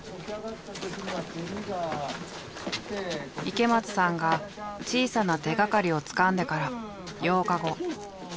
池松さんが小さな手がかりをつかんでから８日後。